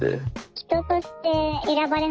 人として選ばれなかった。